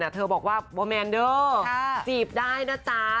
เธอบอกว่าโบแมนเดอร์จีบได้นะจ๊ะ